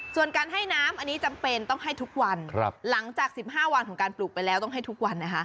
ส่วนการให้น้ำอันนี้จำเป็นต้องให้ทุกวันหลังจาก๑๕วันของการปลูกไปแล้วต้องให้ทุกวันนะคะ